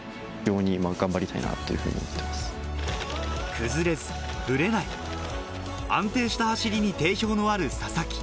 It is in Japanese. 崩れず、ぶれない安定した走りに定評のある佐々木。